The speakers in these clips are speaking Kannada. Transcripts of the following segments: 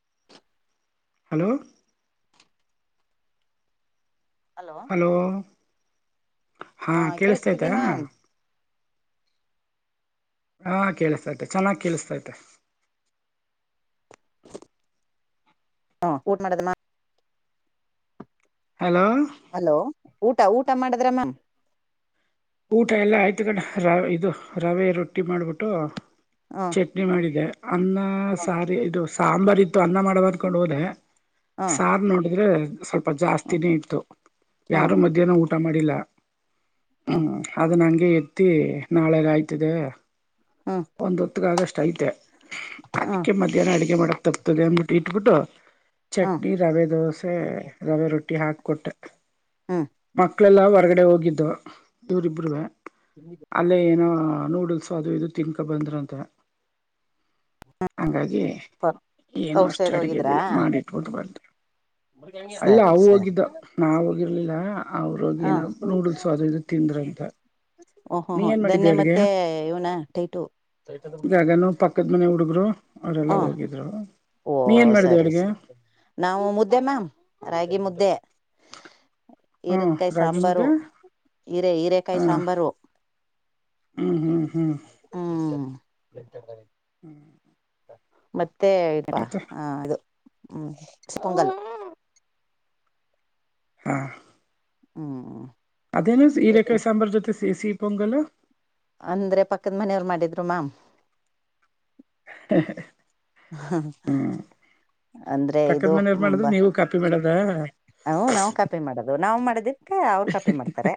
[unintelligible] ಹಲೋ ಹಲೋ ಹಾ ಹಾಂ ಕೇಳಿಸ್ತಿದಿ ಕೇಳಿಸ್ತಯತಾ ಮ್ಯಾಮ್ ಹಾ ಕೇಳಿಸ್ತೈತೆ ಚೆನ್ನಾಗಿ ಕೇೇಳಿಸತೈತೆ ಹಾ ಊಟ ಮಾಡದಮ್ಮ ಹಲೋ ಹಲೋ ಊಟ ಊಟ ಮಾಡದ್ರಮ್ಮ ಊಟ ಎಲ್ಲಾ ಆಯ್ತು ಕಂಡ ರ ಇದು ರವೆ ರೊಟ್ಟಿ ಮಾಡ್ಬಿಟ್ಟು ಹ ಚಟ್ನಿ ಮಾಡಿದೆ ಅನ್ನ ಹ ಸಾರಿ ಇ ದೋಸ ಸಾಂಬಾರ್ ಇತ್ತು ಅನ್ನ ಮಾಡಬಾರಕೊಂಡ ಹೋದೆ ಹ್ಮ್ ಸಾರ್ ನೋಡಿದ್ರೆ ಸ್ವಲ್ಪ ಹ್ಮ್ ಜಾಸ್ತಿನೇ ಇ ಹ್ಮ್ ಯಾರು ಮಧಹ್ನ ಊಟ ಮಾಡಿಲ್ಲ ಗೆ ಎತ್ತಿ ನಾಳೆ ಆಯ್ತದೆ ಹ್ಮ್ ಒಂದ್ ಹೊತ್ತಗಗಷ್ಟ ಐತೆ ಹ್ಮ್ ಅದಕ್ಕೆ ಮಧ್ಯಾಹ್ನ ಅಡಗೆ ಮಾಡಕ್ ತಕ್ತದೆ ಅನ್ಬಿಟ್ಟು ಇಟ್ಬಿಟ್ಟು ಹ್ಮ್ ಚಟ್ನಿ ರವೆ ದೋಸೆ ರವೆ ರೊಟ್ಟಿ ಹಾಕ ಕೊೊಟ್ಟ ಹ್ಮ ಮಕ್ಕಳೆಲ್ಲ ಹೊರಗಡೆ ಹೋಗಿದ್ದು ಇವರಿಬ್ಬ್ರ ಅಲ್ಲೇ ಏನೋ ನೂಡಲ್ಸ್ ಅದು ಇ ತಿನ್ಕ ಬಂದ್ರಂತ ಹಂಗ ಹಾಗಗೆ ಏನು ಔಟ್ ಅಷ್ಟು ಸೈಡ್ ಹೋಗಿದ್ರಾ ಅಡಗದಿಲ್ಲ ಮಾಡಿಟ್ಬಿಟ್ಟು ಬಂತ ಅಲ್ಲ ಸರಿ ಅವ ಸರಿ ಹೋಗಿದ್ದ ನಾವ ಹೋಗಿರ್ಲಿಲ್ಲ ಅವ್ರೋಗ ಹ ಏನ ನೂಡುಲ್ಸ್ ಅದು ಇದು ತಿನ್ ಗ್ರಂತ ಓಹೋ ಹ ದನ್ನೆ ಮತ್ತೆ ಇವನ ಟೈಟು ಜಾಗನು ಪಕ್ಕದ ಮನೆ ಹುಡುಗರು ಹ ಅವರೆಲ್ಲ ಹೋಗಿದ್ರು ಓ ನೀ ಏನ್ ಮಾಡಿದೆ ಸರಿ ಅಡ್ಗೆ ನಾವು ಮುದ್ದೆ ಮ್ಯಾಮ್ ರಾಗಿ ಮುದ್ದೆ ಹ್ಮ್ ಹರದ್ಕಾಯಿ ರಾಗಿ ಮುದ್ದೆ ಸಾಂಬಾರು ಹೀರೆ ಹ ಹೀರೆೇಕಾಯಿ ಸಾಂಬಾರು ಹ್ಮ್ ಹ್ಮ್ ಹ್ಮ್ ಹ ಮತ್ತೆ ಇ ಮತ್ತೆ ಹ ಇದು ಹ್ಮ ಸ್ಪುಂಗಲ್ ಹಾ ಹ್ಮ್ ಹ್ಮ ಅದೇನು ಈ ರಕಾಯ ಸಾಂಬಾರ್ದೊತೆ ಸಿ ಸಿ ಪೊಂಗಲ್ ಅಂದ್ರೆ ಪಕ್ಕದ ಮನೆಯವರು ಮಾಡಿದ್ರು ಮಾ ಹ ಅಂದ್ರೆ ಪಕ್ಕದ ಇದು ಮನೆಯವ್ರು ಮಾಡಿದ್ರು ಬ ನೀವು ಕಾಪಿ ಮಾಡದ ಹ ನಾವು ಕಾಪಿ ಮಾಡೋದು ನಾ ಮಾಡದಿದಕ್ಕೆ ಅವರು ಕಾಪಿ ಮಾಡ್ತಾರೆ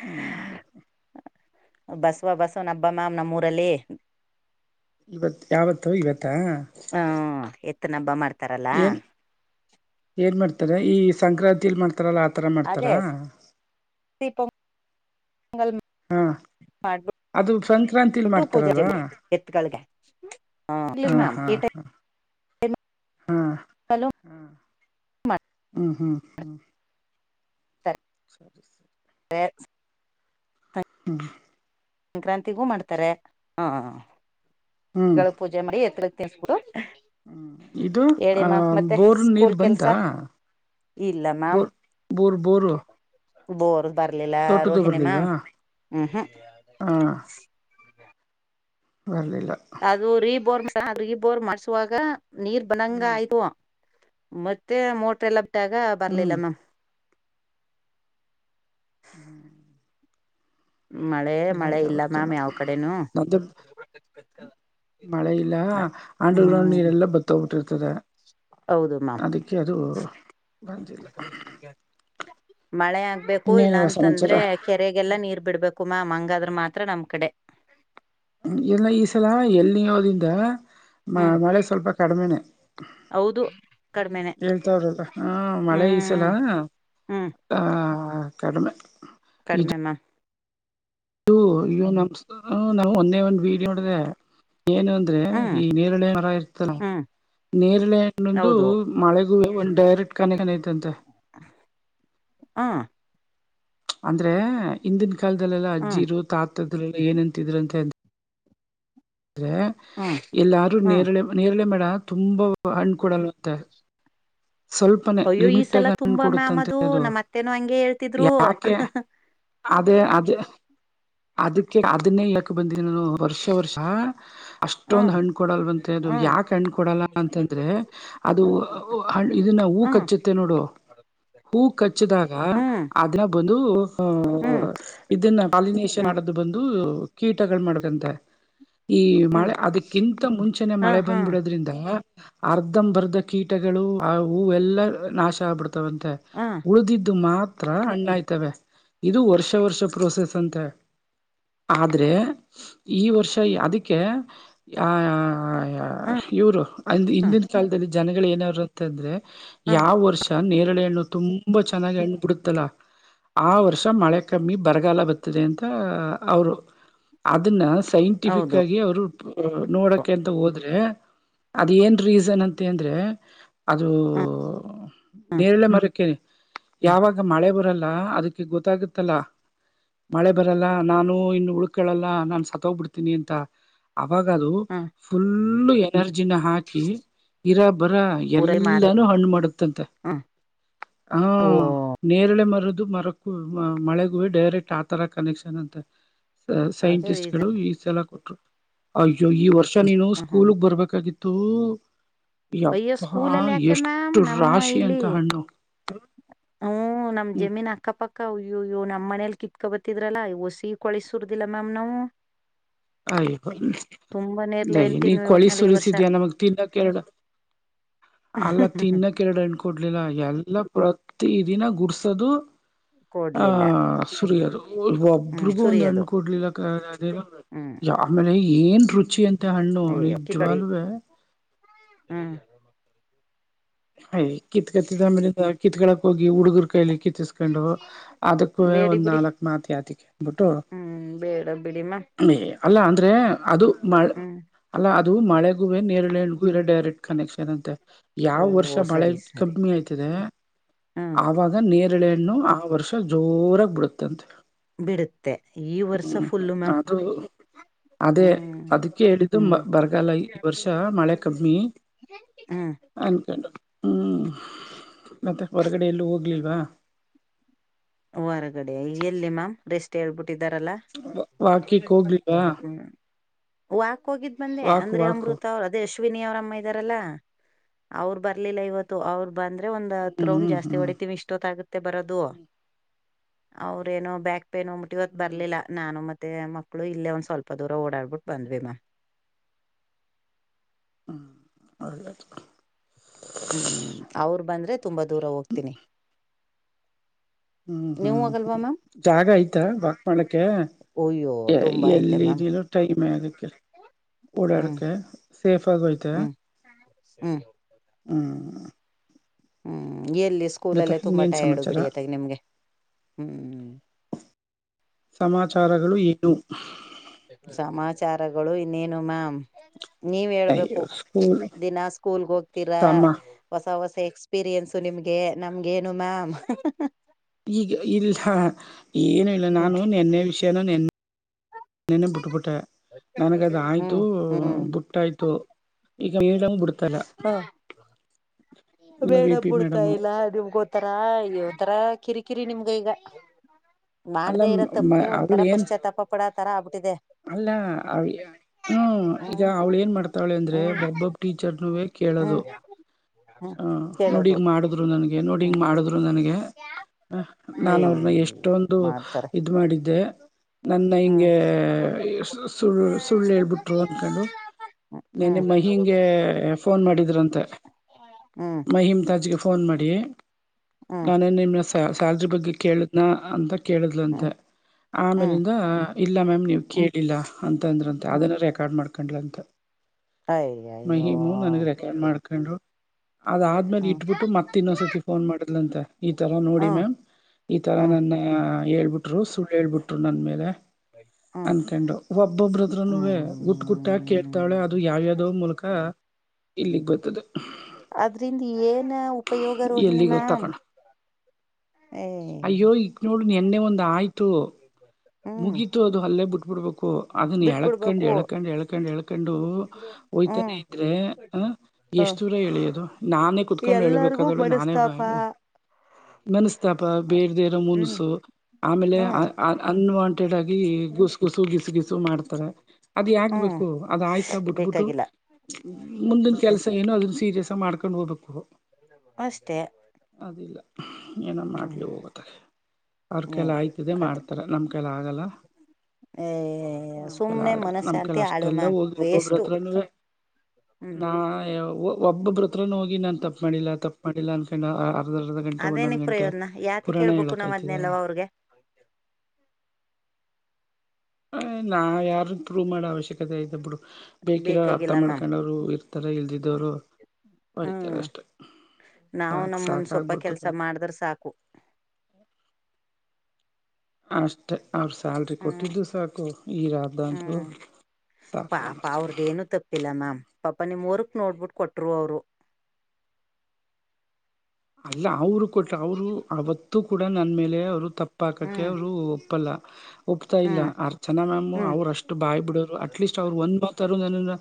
ಹ್ಮ್ ಬಸ್ವ ಬಸವ ನಬ್ಬ ಮ್ಯಾಮ್ ನಮ್ಮೂರಲ್ಲಿ ಇವತ್ ಯಾವತ್ತು ಇವತ್ತಾ ಬ್ಬ ಮಾಡತ [unintelligible] ಏನ್ ಏನ್ ಮಾಡ್ತಾರೆ ಈ ಸಂಕ್ರಾಂತಿಲಿ ಮಾಡ್ತ ಹತ್ರಲ್ಲ ಆಥರ ಮಾಡ್ತಾರಾ ದೀಪ ಮಂಗಲ್ ಹಾ ಮಾಡ ಅದು ಸಂಕ್ರಾಂತಿಲ್ ಟ ಪೂಜ ಮಾಡ್ತಾರಲ್ವಾ ಎತ್ತುಗಲ್ ಇ ಹಾ ಮಾಮ ಹಾ ಹಾ ಹ್ಮ್ ಹ್ಮ್ ಹ್ಮ್ ಸರಿ ಸರಿ ಹ ಹ ಸಂಕ್ರಾಂತಿಗೂ ಮಾಡ್ತಾರೆ ಹಾಗಳು ಪೂಜೆ ಮಾಡಿ ಎತ್ ತಿಸಬಿಟ್ಟು ಹ್ಮ ಇದು ಆ ಮತ್ತೆ ಬೋರ್ ಸ್ಕೂಲ್ ನೀರ್ ಕೆಲ್ಸ ಬಂತಾ ಇಲ್ಲ ಮ್ಯಾಮ್ ಬರ್ರ್ ಬರು ಬೋರ್ ಬರ್ಲಿಲ್ಲ ರೋಹಿಣಿ ಮಾ ಹ್ಮ್ ಹ್ಮ್ ಹಾ ನಲ್ಲ ಅದು ರೀಬೋರ್ ರೀಬೋರ್ಮ ಮಾಡಸಾಗ ನೀರ್ ಬನಂಗ ಹ್ಮ್ ಆಯ್ತು ಮತ್ತೆ ಮೋಟ್ರ ಎಲ್ಲ ಬಿಟ್ಟಾಗ ಹ್ಮ್ ಬರ್ಲಿಲ್ಲ ಮ್ಯಾಮ್ ಹ್ಮ್ ಮಳೆ ಎಲ್ಲಾ ಮಳೆ ಇದ ಇಲ್ಲ ಬರ್ತಲ್ಲ ಮ್ಯಾಮ್ ಯಾವ ಕಡೆನೂ ನ ಮಳೆ ಇಲ್ಲ ಅಂಡ್ರ ಗ್ರೌಂಡ್ ಹ್ಮ್ ನೀರೆಲ್ಲ ಬತ್ತತೋಗ್ಬಿಟ್ಟಿರ್ತ ಇತದೆ ಹೌದು ಮ್ಯಾಮ್ ಅದಕ್ಕೆ ಅದು ವಂದ ಜಿಲ್ಲ ಮಳೆ ಆಗ್ಬೇಕು ಇಲ್ಲಾ ಸಮಾಚಾರ ಅಂತಂದ್ರೆ ಕೆರೆಗೆಲ್ಲಾ ನೀರ್ ಬಿಡ್ಬೇಕು ಕುಮ ಹಂಗಾದ್ರ ಮಾತ್ರ ನಮ್ ಕಡೆ ಎಲ್ಲ ಈ ಸಲ ಎಲ್ಲಿ ಯೋದಿಂದ ಮ ಹ್ಮ್ ಮಳೆ ಸ್ವಲ್ಪ ಕಡಿಮೆನೆೇ ಹೌದು ಕಡಿಮೆನೆ ಹೇಳ್ತಾವ್ರಲ್ಲ ಹಾ ಮಳೆ ಈಸಲ್ಲ ಹ್ಮ್ ಆ ಆ ಕಡಿಮೆ ಕಡಿಮೆಮ್ಮ ಅ ಇ್ಯ ನಮಸ್ ನಮ ಒಂದೇ ಒಂದ್ ವೀಡಿಯೋ ನಡಿದೆ ಏನು ಅಂದ್ರೆ ಹ್ಮ್ ಈ ನೀರಳೆ ಮರ ಇರ್ತಲ್ಲ ಹ್ಮ್ ನೀರ್ ಲೈನ್ಂದು ಹೌದು ಮಳೆಗೂ ಒ ಡೈರೆಕ್ಟ್ ಕನೆಕ್ಷನ್ ಐತಂತೆ ಹ ಅಂದ್ರೆ ಹಿಂದಿನ ಕಾಲದಲ್ಲೆಲ್ಲಾ ಹ್ಮ್ ಅಜ್ಜಿರು ತಾತದ್ರೆಲ್ಲ ಏನಂತಿದ್ರುಂತೆಂತ ಆದ್ರೆ ಹ್ಮ್ ಎಲ್ಲಾರು ಹ್ಮ್ ನೇರಳೆ ನೇರಳೆ ಮೇಡ ತುಂಬಾ ಹಣ್ ಕೊಡಲ್ವಂತ ಸ್ವಲ್ಪನೆೇ ಅಯ್ಯೋ ಈ ಲಿಮಿಟ್ ಆಗ ಸಲ ಹಣ ತುಂಬಾ ಮ್ಯಾಮ್ ಅದು ಕೊಡುತ್ತಂತದು ನಮ್ಮ್ ಅತ್ತೆನೂ ಹಂಗೆ ಹೇಳ್ತಿದ್ರು ಯಾಕೆ ಅದೇ ಅದೇ ಅದಕ್ಕೆ ಅದನ್ನೇ ಹೇಳಕ ಬಂದ ವರ್ಷ ವರ್ಷ ಅಷ್ಟೊಂದು ಹ್ಮ್ ಹಣ್ಣ್ ಕೊಡಲ್ ಅಂತೆ ಅದು ಹ್ಮ್ ಯಾಕೆ ಹಣ್ಣ್ ಕೊಡಲ್ಲ ಅಂತಂದ್ರೆ ಅದು ಇದನ್ನ ಹೂ ಹ್ಮ್ ಕಚ್ಚುತ್ತೆ ನೋಡು ಹೂ ಕಚ್ಚಿದಾಗ ಹ್ಮ್ ಅದನ್ನ ಬಂದು ಆ ಹ್ಮ್ ಇದನ್ನ ಪಾಲಿನಷನ್ ಹ್ಮ್ ಮಾಡದು ಬಂದು ಕೀಟಗಳು ಮಾಡದಂತೆ ಈ ಹ್ಮ್ ಮಳೆ ಅದಕ್ಕಿಂತ ಮುಂಚೆನೆೇ ಹಾ ಮಳೆ ಹಾ ಬಂದ್ಬಿಡೋದ್ರಿಂದ ಅರ್ಧಂಬರ್ಧ ಕೀಟಗಳು ಆ ಹೂವೆಲ್ಲಾ ನಾಶ ಆಗ್ಬಿಡ್ತದೆ ತಾವಂತೆ ಹಾ ಉಳಿದಿದ್ದು ಮಾತ್ರ ಹತ್ರ ಅಣ್ಣ ಆಯ್ತವೆ ಇದು ವರ್ಷ ವರ್ಷ ಪ್ರೋಸೆಸ್ ಅಂತೆ ಆದ್ರೆ ಈ ವರ್ಷ ಅದಕ್ಕೆ ಆ ಹ ಇವರು ಅ ಹ ಹಿಂದಿನ ಕಾಲದಲ್ಲಿ ಜನಗಳು ಏನಾರರುಂತ ಅಂದ್ರೆ ಹ ಯಾವ ವರ್ಷ ಳ ಹಣ್ಣು ತುಂಬಾ ಚೆನ್ನಾಗಿ ಹಣ್ಣು ಬಿಡುತ್ತಲಾ ಆ ವರ್ಷ ಮಳೆ ಕಮ್ಮಿ ಬರಗಾಲ ಬತ್ತದೆ ಅಂತ ಅವರು ಅದನ್ನ ಸೈಂಟಿಫಿಕ್ ಹೌದು ಆಗಿ ಅವರು ಅ ನೋಡಕಂತ ಹೋದ್ರೆ ಅದ ಏನ್ ರೀಸನ್ ಅಂತ ಅಂದ್ರೆ ಅದು ಹ ಹ ನೇರಳೆ ಮರಕ್ಕೆನೆ ಯಾವಾಗ ಮಳೆ ಬರಲ್ಲ ಅದಕ್ಕೆ ಗೊತ್ತಾಗತ್ತಲ್ಲ ಮಳೆ ಬರಲ್ಲ ನಾನು ಇನ್ನು ಹುಡುಕ್ಕೇಳಲ್ಲ ನಾನ್ ಸತ್ತೋಗ್ಬಿಡ್ತೀನಿ ಅಂತ ಅವಾಗದು ಹ ಫುಲ್ಲು ಎನರ್ಜಿನ ಹಾಕಿ ಇರ ಬರ ಊರೈ ಮಾತ್ ಎಲ್ಲಾನೂ ಹಣ್ಣು ಮಾಡುತ್ತಂತೆ ಹ ಹ ಓ ನೇರಳೆ ಮರದ ಇದು ಮರಕ್ಕ ಮಳೆಗ ಹ ಡೈರೆಕ್ಟ್ ಆತರ ಕನೆಕ್ಷನ್ ಅಂತ ಅದು ಸೈಂಟಿಸ್ಟ್ ಗಳು ರೀಸನ್ ಈ ಸಲ ಕೊಟ್ರು ಅಯ್ಯೋ ಈ ವರ್ಷ ನೀನು ಹ ಹ ಸ್ಕೂಲ್ಗ್ ಬರ್ಬೇಕಾಗಿತ್ತು ಅಯ್ಯೋ ಅಬ್ಬ ಸ್ಕೂಲಲ್ಲಿ ಯಾಕೆ ಮ್ಯಾಮ್ ಎಷ್ಟು ನಮ್ಮ ರಾಶಿ ಇಲ್ಲಿ ಅಂತ ಹಣ್ಣು ಹ್ಮ್ ನಮ್ ಹ್ಮ್ ಜಮೀನ್ ಅಕ್ಕಪಕ್ಕ ಅಯ್ಯಯ್ಯೋ ನ ನಮ್ಮ್ ಮನೇಲಿ ಕಿತ್ಕೊ ಬತ್ತಿದ್ರಲ್ಲಾ ಹೊಸಿ ಕೊಳಸರ್ದಿಲ್ಲ ಮ್ಯಾಮ್ ನಾವು ತುಂಬಾ ನೇರ್ಲೆ ಏನ್ ಅಯ್ಯ ನೀ ತಿನ್ವಿ ಕೊಳಿ ಒಟ್ನಲ್ಲಿ ಈ ವರ್ಷ ಸುರಿಸಿದ್ಯಾ ನಮಗ್ ತಿನ್ನಾ ಕೆರಡು ಅಲ್ಲ ತಿನ್ನ ಕೆರಡು ಅಣಕೊಡ್ಲಿಲ್ಲ ಎಲ್ಲ ತ್ತ ದಿನ ಗುಡ್ಸೋದು ಕೊಡ್ಲಿಲ್ಲ ಆಹ್ ಸುರಿಯೋದು ಹ್ಮ್ ಒಬ್ರಿಗೂ ಒಂದ್ ಸುರಿಯೋದು ಅಣ್ಕ ಕೊಡ್ಲಿಲ್ಲ ಹ್ಮ್ ಆಮೇಲೆ ಏನ್ ರುಚಿ ಅಂತ ಹಣ್ಣು ನಿಜ್ವಾಗ್ಲುವೆ ಹ್ಮ ಹಯ ಕಿತ್ ಕತ್ತಿದಮೇದ ಕಿತ್ಗಳಕ್ ಹೋಗಿ ಹುಡುಗರ್ ಕಾಯಿಲಿ ಕಿತ್ ಸ್ಕೊಂಡು ಅದಕ್ಕೂ ಬೇಡಿ ಒಂದ್ ಬಿಡಿ ನಾಲ್ಕು ಮಾತಿ ಯತಿಕ ಅಂದಬಿಟ್ಟು ಹ್ಮ್ ಬೇಡ ಬಿಡಿಮ್ಮ ಅಲ್ಲ ಅಂದ್ರೆ ಅದು ಮ ಹ್ಮ್ ಅಲ್ಲ ಅದು ಮಳೆಗೂ ವೆ ನೇರಳೆಣಗೂ ಇರ ಡೈರೆಕ್ಟ್ ಕನೆಕ್ಷನ್ ಅಂತೆ ಯಾವ ಓ ವರ್ಷ ಮಳೆ ಸರಿ ಸರಿ ಕಮ್ಮಿ ಆಯ್ತದೆ ಹ್ಮ ಆವಾಗ ನೇರಳೆ ಹಣ್ಣು ಆ ವರ್ಷ ಜೋರಾಗ ಬಿಡುತ್ತಂತೆ ಬಿಡುತ್ತೆ ಈ ವರ್ಷ ಹ್ಮ್ ಫುಲ್ಲು ಮ್ಯಾಮ್ ಅದು ಅದೇ ಹ್ಮ್ ಅದಕ್ಕೆ ಹೇಳಿದು ಹ್ಮ್ ಬರಗಲ್ಲ ಈ ವರ್ಷ ಮಳೆ ಕಮ್ಮಿ ಹ್ಮ್ ಅನ್ಕಟ ಹ್ಮ್ ಮತ್ತೆ ಹೊರಗಡೆ ಎಲ್ಲೂ ಹೋಗ್ಲಿಲ್ವಾ ಹೊರಗಡೆ ಎಲ್ಲಿ ಮ್ಯಾಮ್ ರೆಸ್ಟ್ ಹೇಳ್ಬಿಟ್ಟು ಹೇಳ್ಬಿಟ್ಟಿದಾರಲ್ಲ ವಾಕಿಕ್ ಹೋಗ್ಲಿಲ್ವಾ ಹೋಗಿದ್ ಬಂದೆ ವಾಕು ಅಂದ್ರ ವಾಕು ಅಮೃತ ಅವ್ ಅದೆ ಅಶ್ವಿನಿ ಅವರಮ್ಮ ಇದ್ದಾರಲ್ಲಾ ಅವ್ರು ಬರ್ಲಿಲ್ಲ ಇವತ್ತು ಅವ್ರ ಬಂದ್ರೆ ಒಂದ್ ಹತ್ ಹ್ಮ್ ರೌಂಡ್ ಹ್ಮ್ ಜಾಸ್ತಿ ಹ್ಮ್ ಹೊಡತಿವಿ ಇಷ್ಟೊತ್ತಾಗುತ್ತೆ ಬರೋದು ಅವ್ರೇನೋ ಬ್ಯಾಕ್ ಪೇನ ಅನ್ಬಿಟ್ ಬರ್ಲಿಲ್ಲ ನಾನು ಮತ್ತೆ ಮತ್ತೆ ಮಕ್ಕಳು ಇಲ್ಲೇ ಒಂದ್ ಸ್ವಲ್ಪ ದೂರ ಓಡಾಡ್ಬಿಟ್ಟು ಬಂದ್ವಿ ಮ್ಯ್ ಹ್ಮ ಅ [unintelligible] ಹ್ಮ್ ಅವ್ರ ಬಂದ್ರೆ ತುಂಬಾ ದೂರ ಹೋಗ್ತೀನಿ ಹ್ಮ್ ನೀವು ಹ್ಮ್ ಹ್ಮ್ ಹೋಗಲ್ವಾ ಮ್ಯಾಮ್ ಜಾಗ ಐತಾ ವಾಕ್ ಮಾಡೋಕೆ ಅಯ್ಯೋ ಏ ತುಂಬಾ ಎಲ್ಲ ಐತೆ ಮ್ಯಾಮ್ ಇದಿರೋ ಟೈಮ್ ಆಗೈತೆ ಹ್ಮ್ ಓಡಾಡಕ್ಕೆೆ ಸೇಫ್ ಆಗು ಐತೆ ಹ್ಮ್ ಹ್ಮ್ ಹ್ಮ್ ಹ್ಮ್ ಎಲ್ಲಿ ಮತ್ತೆ ಸ್ಕೂಲಲ್ಲೇ ತುಂಬಾ ಇನ್ನೇನ್ ಟೈರ್ಡು ಸಮಾಚಾರ ಬಿಡಿಯತ್ತಗ ನಿಮ್ಗೆ ಹ್ಮ್ ಸಮಾಚಾರಗಳು ಏನು ವಿಚಾರಗಳು ಇನ್ನೇನು ಮ್ಯಾಮ್ ನೀವ ಅಯ್ಯೋ ಹೇಳ್ಬೇಕು ಸ್ಕೂಲ್ ದಿನ ಸ್ಕೂಲ್ಗೆ ಹೋಗ್ತೀರಾ ತಮ್ಮ ಹೊಸ ಹೊಸ ಎಕ್ಸ್ಪೀರಿಯನ್ಸು ನಿಮ್ಗೆ ನಮ್ಗೇನು ಮ್ಯಾಮ್ ಈಗ ಇಲ್ಲ ಏನು ಇಲ್ಲ ಹ್ಮ್ ನಾನು ನೆನ್ನೆ ವಿಷಯನ ನೀ ನಿನ್ನೆನೆ ಬಿಟ್ಬಿಟ್ಟೆ ನನಗದ ಆಯ್ತು ಹ್ಮ್ ಹ್ಮ್ ಬುಟ್ಟ ಆಯ್ತು ಈ ಫ್ರೀಡಂ ಬಿಡ್ತಾರಾ ಹ ಬೇಡ ಬಿಡ್ತಾ ಇಲ್ಲ ನಿಮ್ಗೋಂತರ ಇತರ ಕಿರಿ ಕಿರಿ ನಿಮ್ಗ ಈಗ ಅಲ್ಲ ಮಾಡ್ದೇ ಇರ ತಪ್ಪಗೆ ಅವಳು ಒಂತರ ಏನ್ ಪಶ್ಚಾತ್ತಾಪ ಪಡೊತರ ಆಗ್ಬಿಟ್ಟಿದೆ ಅಲ್ಲ ಹ್ಮ್ ಈಗ ಅವ್ಳು ಏನ್ ಮಾಡ್ತಾವಳೆ ಅಂದ್ರೆ ಒಬ್ಬೊಬ್ ಟೀಚರ್ನು ಹ್ಮ ಹ ನೋಡಿಗ್ ಮಾಡಿದ್ರು ನನಗೆ ನೋಡಿಗ್ ಹ್ಮ್ ಮಾಡಿದ್ರು ನನಗೆ ಹ ನಾನ್ ಏಯ ಅವ್ರನ್ನ ಎಷ್ಟೊಂದು ಮಾಡ್ತಾರೆ ಇದು ಮಾಡಿದ್ದೆ ನನ್ನ ಹ್ಮ್ ಹಿಂಗೆ ಸು ಸುಳ್ಳು ಸುಳ್ಳು ಹೇಳ್ಬಿಟ್ರು ಅನ್ಕೊಂಡು ನಿನ್ನೆ ಹ್ಮ್ ಹ್ಮ್ ಮಹೀಂಗೆ ಫೋನ್ ಮಾಡಿದ್ರಂತೆ ಹ್ಮ್ ಮಹಿಮ್ ತಾಜಗೆ ಫೋನ್ ಮಾಡಿ ನಾನೇನ್ ನಿಮ್ನ ಸ ಸ್ಯಾಲ್ರಿ ಬಗ್ಗೆ ಕೇಳಿದ್ನ ಅಂತ ಹ್ಮ್ ಕೇಳಿದ್ಲಂತೆ ಹ್ಮ್ ಆಮೇಲಿಂದ ಇಲ್ಲ ಮ್ಯಾಮ್ ನೀವು ಹ್ಮ್ ಕೇಳಿಲ್ಲ ಅಂತಂದ್ರಂತೆ ಹ್ಮ್ ಅದನ್ನು ರೆಕಾರ್ಡ್ ಮಾಡ್ಕೊಂಡ್ರಂತೆ ಅಯ್ಯ ಅಯ್ಯೋ ಮಹಿಮು ನನ್ಗ ರೆಕಾರ್ಡ್ ಮಾಡ್ಕೊಂಡ್ರು ಅದ ಆದ್ಮೇಲೆ ಹ್ಮ್ ಇಟ್ಬಿಟ್ಟು ಮತ್ತ ಇನ್ನೊಂದ್ಸತಿ ಫೋನ್ ಮಾಡಿದ್ಲಂತೆ ಈತರ ನೋಡಿ ಹ್ಮ್ ಮ್ಯಾಮ್ ಈ ತರ ಹ್ಮ್ ನನ್ನ ಬ್ರು ಸುಳ್ಳು ಹೇಳ್ಬಿಟ್ರು ನನ್ನ ಮೇಲೆ ಹ್ಮ್ ಅನ್ಕಂಡು ಒಬ್ಬೊಬ್ರದ್ರನುುವೆ ಗುಟ್ ಗುಟ್ಟಾಗಿ ಕೇಳ್ತಾವಳೆ ಹ್ಮ್ ಅದು ಯಾವ್ಯದೋ ಮೂಲಕ ಇಲ್ಲಿಗ್ ಬರ್ತದೆ ಅದ್ರಿಂದ ಏನ ಉಪಯೋಗ ರೋಹಿಣಿ ಎಲ್ಲಿಗೋ ಮ್ಯಾಂ ತಕಣ ಅಯ್ಯೋ ಈಗ ನೋಡು ಎಣ್ಣೆ ಒಂದ ಆಯ್ತು ಹ್ಮ್ ಮುಗೀತು ಅದು ಅಲ್ಲೇ ಬಿಟ್ಬಿಡ್ಬೇಕು ಅದನ್ನ ಎಳ್ಕಂಡ್ ಬಿಟ್ಬಿಡ್ಬೇಕು ಎಳ್ಕಂಡ್ಎಳ್ಕಂಡ್ ಎಳ್ಕೊಂಡು ಹೋಯ್ತಾನೆ ಹ್ಮ್ ಇದ್ರೆ ಹಾ ಎಷ್ ಹ ಎಷ್ಟ ದೂರ ಎಳಿಯೋದು ನಾನೇ ಕುತ್ಕೊಂಡು ಎಲ್ಲರಿಗೂ ಹೇಳಬೇಕಾದಳು ನಾನೇ ಬ ಮನಸ್ತಾಪ ಮನಸ್ತಾಪ ಬೇಡ್ದೇ ಇರೂ ಹ್ಮ್ ಮುನ್ಸು ಆಮೇಲೆ ಆ ಹ್ಮ್ ಆ ಅನ್ವಾಂಟೆಡ್ ಆಗಿ ಗುಸು ಗುಸು ಗಿಸ ಗಿಸು ಮಾಡ್ತಾರೆ ಅದ ಹ್ಮ್ ಯಾಕ್ಬೇಕು ಅದ್ ಆಯ್ತಾ ಬಿಟ್ಬಿಟ್ಟು ಬೇಕಾಗಿಲ್ಲ ಮುಂದಿನ ಕೆಲಸ ಏನು ಅದನ್ನ ಸೀರಿಯಸ್ಸಾಗಿ ಮಾಡ್ಕೊಂಡು ಹೋಗ್ಬೇಕು ಅಷ್ಟೆ ಅದಿಲ್ಲ ಏನೋ ಮಾಡಲಿ ಹೋಗತ್ತಾಗೆ ಅವ್ರಕ್ಕೆಲ್ಲ ಆಯ್ತಿದೆ ಕತೆ ಮಾಡ್ತ ನಮ್ಮ್ ಕೈಲ್ಲ ಆಗಲ್ಲ ಏ ನಮ್ ಸುಮ್ನೆ ಕೈಲಾಗಲ್ಲ ನಮ್ಕೈಲ್ ಮನಶಾಂತಿ ಹಾಳು ಅಷ್ಟೆಲ್ಲ ಮ್ಯಾಮ್ ಹೋಗಿ ಒಬ್ಬೊಬ್ರ ವೇಸ್ಟು ಹತ್ರನುವೆ ಹ್ಮ್ ನಾ ಯ ಒಬ್ಬೊಬ್ಬ್ರತ್ರನ ಹೋಗಿ ನಾನ್ ತಪ್ಪ ಮಾಡಿಲ್ಲ ತಪ್ಪ ಮಾಡಿಲ್ಲಾ ಅನ್ಕೊಂಡ ಆ ಅರ್ಧ ಅರ್ಧ ಗಂಟೆ ಒಂದೊಂದು ಅದೇನಕ್ ಗಂಟೆ ಪ್ರಯೋಜನ ಯಾತಿ ಪುರಾಣ ಕೇಳ್ಬೇಕು ನಾವ್ ಹೇಳಕಾಯ್ತಿದಾ ಅದ್ನೆಲ್ಲವ ಅವ್ರಿಗೆ ಹ ನಾವ್ ಯಾರ ಪ್ರೂವ್ ಮಾಡೋ ಅವಶ್ಯಕತೆ ಐತೆ ಬಿುಡು ಬೇಕಿರೋರು ಅರ್ಥ ಬೇಕಾಗಿಲ್ಲ ಮ್ಯಾಮ್ ಮಾಡ್ಕೊಂಡಾದ್ರು ಇರ್ತಾರ ಇಲ್ದಿದ್ದವರು ಹ್ಮ್ ಒಯತದಷ್ಟೆ ನಾವು ಸಾಕ್ ನಮ್ಮನ್ ಸ್ವಲ್ಪ ಸಾಕಾಗ್ಬಿಡ್ತು ಕೆಲ್ಸ ಕನಪ್ಪಾ ಮಾಡಿದ್ರ ಸಾಕು ಹ್ಮ ಅಷ್ಟೆ ಅವ್ರ ಸ್ಯಾಲ್ರಿ ಹ್ಮ್ ಕೊಟ್ಟಿದ್ದು ಸಾಕು ಈರ್ದಂತೂ ಹ್ಮ್ ಪಾಪ ಅವ್ರದೇನು ತಪ್ಪಿಲ್ಲ ಮಾಮ ಪ್ಪ ನೀ ಮೂರಕ್ಕೆ ನೋಡ್ಬಿಟ್ಟು ಕೊಟ್ರು ಅವರು ಇಲ್ಲ ಅವರು ಕೊಟ್ಟ ಅವರು ಅವತ್ತು ಕೂಡ ನನ್ನ ಮೇಲೆ ಅವರು ತಪ್ಪ ಪಾಕಕ್ಕೆ ಹ್ಮ್ ಅವರು ಒಪ್ಪಲ್ಲ ಒಪ್ತಾ ಇಲ್ಲ ಹ್ಮ್ ಅ ಚೆನ್ನ ಮ್ಯಾಮು ಹ್ಮ್ ಅವ್ರುಷ್ಟು ಬಾಯ್ ಬಿಡೋರು ಅಟ್ಲೀಸ್ ಎ ಅವ್ರು ಒಂದು ಮಾತರರು ನನ್ನ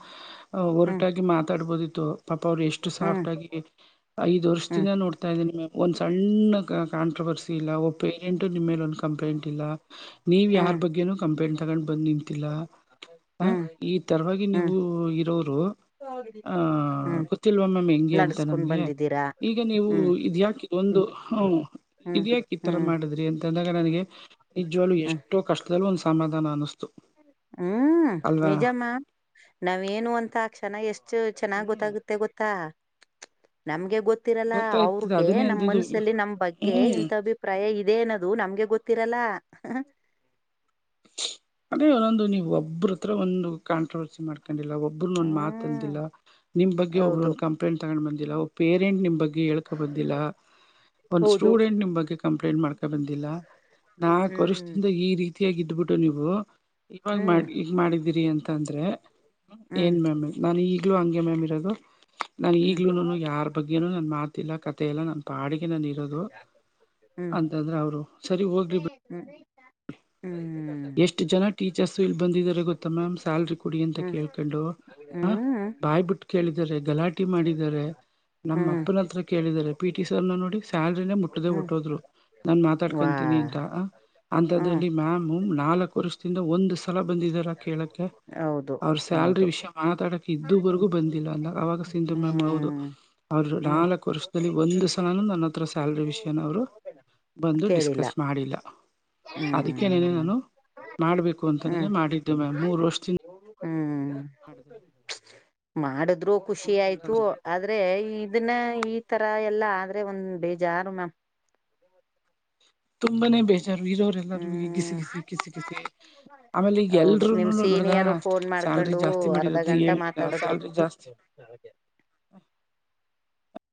ಹ್ಮ್ ಹೊರಟಾಗಿ ಮಾತಾಡ್ಬೋದಿತ್ತು ಪಾಪ ಅವ್ರು ಎಷ್ಟು ಹ್ಮ್ ಸಾಫ್ಟ್ ಆಗಿ ಐದ್ ವರ್ಷ ಹ್ಮ್ ಚನ್ನ ನೋಡ್ತಾ ಇದ್ದೀನಿ ಒಂದ್ ಸಣ್ಣ ಕಾಂಟ್ರವರ್ಸಿ ಇಲ್ಲ ಒ ಪೇರೆಂಟ್ ನಿಮ್ಮ ಮೇಲೆ ಒಂದು ಕಂಪ್ಲೇಂಟ್ ನೀವ್ ಹ್ಮ್ ಯಾರ್ ಬಗ್ಗೆನ ಕಂಪ್ಲೇಂಟ್ ತಗೊಂಡು ಬಂದ್ ನಿಂತಿಲ್ಲ ಹ ಹ್ಮ್ ಈ ತರವಾಗಿ ಹ್ಮ್ ನೀವು ಇರೋರು ಹಹ ಹ್ಮ್ ಗೊತ್ತಿಲ್ವಾ ಮ್ಯಾಮ್ ಹೆಂಗೆ ಅಂತ ನಡ್ಸ್ಕೊಂಡ್ ನಮ್ಗೆ ಬಂದಿದ್ದೀರಾ ಈಗ ನೀವು ಹ್ಮ್ ಇದ ಯಾಕ ಒಂದು ಹ ಹ್ಮ್ ಇದ ಯಾಕೆ ಈ ತರ ಹ್ಮ್ ಮಾಡಿದ್ರಿ ಅಂತಂದ ನನಗೆ ನಿಜ್ವಲು ಎಷ್ಟೋ ಕಷ್ಟದಲ್ಲೂ ಒಂದ್ ಸಮಾಧಾನ ಅನ್ನಿಸ್ತೆ ಹ್ಮ ನಿಜಮ್ಮ ನಾವೇನು ಅಂತ ಕ್ಷಣ ಎಷ್ಟು ಚೆನ್ನಾಗ್ ಹ್ಮ್ ಗೊತ್ತಾಗುತ್ತೆ ಗೊತ್ತಾ ನಮ್ಗೆ ಗೊತ್ತಿರಲ್ಲ ಗೊತ್ತಾಯ್ತದೆ ಅವ್ರಗೆ ಅದನ್ನೇ ನಮ್ ಅಂದಿದ್ದು ಮನಸಲ್ಲಿ ನಮ್ ಬಗ್ಗೆ ಹ್ಮ್ ಇಂಥ ಅಭಿಪ್ರಾಯ ಇ ಇದೇನದು ನಮ್ಗೆ ಗೊತ್ತಿರಲ್ಲ ಅದೇ ಒದು ನೀವು ಒಬ್ಬ್ರ ಹತ್ರ ಒಂದು ಕಾಂಟ್ರವರ್ಸಿ ಮಾಡ್ಕ ಬಂದಿಲ್ಲ ಒಬ್ಬ್ರ ಒಂದು ಮಾತ ಹ್ಮ್ ಅಂದಿಲ್ಲ ನಿಮ್ಮ ಬಗ್ಗೆ ಒಬ್ರು ಹೌದು ಕಂಪ್ಲೇಂಟ್ ತಗೊಂಡ್ ಬಂದಿಲ್ಲ ಒಬ್ ಪೇರೆಂಟ್ ನಿಮ್ ಬಗ್ಗೆ ಹೇಳ್ಕೊ ಬಂದಿಲ್ಲ ಒಂದ್ ಹೌದು ಸ್ಟೂಡೆಂಟ್ ನಿಮ್ ಬಗ್ಗೆ ಕಂಪ್ಲೇಂಟ್ ಮಾಡ್ಕೊ ಬಂದಿಲ್ಲ ನಾಕ್ ಹ್ಮ್ ವರ್ಷದಿಂದ ಈ ರೀತಿಯಾಗಿ ಇದ್ಬಿಟ್ಟು ನೀವು ಇವಾಗ ಮಾಡ ಹ್ಮ್ ಈಗ ಮಾಡಿದೀರಿ ಅಂತ ಅಂತಂದ್ರೆ ಹ್ಮ್ ಏನ್ ಮ್ಯಾಮ್ ನಾನು ಈಗ್ಲೂ ಹಂಗೆ ಮ್ಯಾಮ್ ಇರೋದು ನಾನ ಹ್ಮ್ ಈಗ್ಲೂ ಯಾರ್ ಬಗ್ಗೆನೂ ನನ್ ಮಾತಿಲ್ಲ ಕಥ ಇಲ್ಲ ನನ್ ಪಾಡಿಗೆ ನಾನು ಇರೋದು ಹ್ಮ್ ಅಂತಂದ್ರ ಅವರು ಸರಿ ಹೋಗ್ರಿ ಬಿಡ ಹ್ಮ್ ಹ್ಮ್ ಎಷ್ಟು ಜನ ಟೀಚರ್ಸ್ ಇಲ್ ಬಂದಿದಿದ್ದಾರೆ ಗೊತ್ತಾ ಮ್ಯಾಮ್ ಸ್ಯಾಲ್ರಿ ಕುಡಿ ಅಂತ ಹ್ಮ್ ಕೇಳ್ಕೊಂಡು ಹ ಹ್ಮ್ ಬಾಯ್ಬಿಟ್ಟು ಕೇಳಿದಿದ್ದಾರೆ ಗಲಾಟಿ ಮಾಡಿದ್ದಾರೆ ನಮ್ಮ ಹ್ಮ್ ಅಪ್ಪನ ಹತ್ರ ಕೇಳಿದಿದ್ದಾರೆ ಪಿ ಟಿ ಸರ್ ನೋಡಿ ಸ್ಯಾಲ್ರಿನೇ ಮುಟ್ಟದೆ ಹ್ಮ್ ಹೊಟ್ಟೋದ್ರು ನಾನು ವಾ ಮಾತಾಡ್ಕೊತೀನಿ ಅಂತ ಹ್ಮ್ ಅಂತದ್ರಲ್ಲಿ ಮ್ಯಾಮ್ ನಾಲ್ಕು ವರ್ಷದಿಂದ ಒಂದು ಸಲ ಬಂದಿದಾರ ಕೇಳಕ್ಕೆ ಹೌದು ಅವ್ರ ಹೌದು ಸ್ಯಲ್ರಿ ವಿಷಯ ಮಾತಾಡಕ್ಕೆ ಇದುವರೆಗೂ ಬಂದಿಲ್ಲ ಅಂದ ಅವಾಗ ಸಂಟಮ್ಯ ಹೌದು ಹ್ಮ್ ಅವ್ರ ಹ್ಮ್ ನಾಲ್ಕು ವರ್ಷದಲ್ಲಿ ಒಂದ್ ಸಲ ನನ್ನತ್ರ ಸ್ಯಲ್ರಿ ವಿಷಯನ ಅವ್ರು ಬಂದು ಕೇಳಿಲ್ಲ ಡಿಸ್ಕಸ್ ಮಾಡಿಲ್ಲ ಹ್ಮ್ ನಾನು ಮಾಡ್ಬೇಕು ಅಂತನೆ ಹ್ಮ್ ಮಾಡಿದ್ದೆ ಮ್ಯಾಮ್ ಮೂರ್ ವರ್ಷ ತಿಂದ ಹ್ಮ್ ಮಾಡದು ಇದ್ರು ಖುಷಿ ಆಯ್ತು ಒಂದಲ್ಲ ಆದ್ರೆ ಇದನ್ನ ಈ ತರ ಎಲ್ಲಾ ಆದ್ರೆ ಒಂದ್ ಬೇಜಾರು ಮ್ಯಾಮ್ ತುಂಬಾನೇ ಬೇ ಇರೋರು ಎಲ್ಲರೂ ಗಿಸಿ ಹ್ಮ್ ಗಿಸಿ ಕಿಸಿ ಕಿಸಿ ಆಮೇಲೆ ಹೌದು ಎಲ್ರೂ ನಿಮ್ ನೋಡ್ದ ಸೀನಿಯರು ಫೋನ್ ಸ್ಯಾಲ್ರಿ ಮಾಡ್ಕೊಂಡು ಜಾಸ್ತಿ ಮಾಡಿರೋದನ್ನ ಹೇಳ್ರ ಸ್ಯಾಲ್ರಿ ಜಾಸ್ತಿ ಹೌದ ಹ